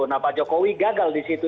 nah pak jokowi gagal di situ